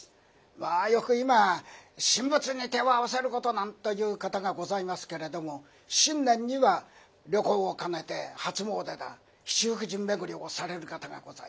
まあよく今神仏に手を合わせることなんていう方がございますけれども新年には旅行を兼ねて初詣だ七福神巡りをされる方がございます。